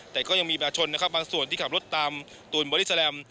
แต่ก็ยังมีประชาชนนะครับบางส่วนที่ขับรถตามตูนบอดี้แลม